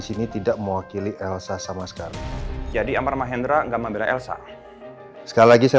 sini tidak mewakili elsa sama sekali jadi amar mahendra enggak membela elsa sekali lagi saya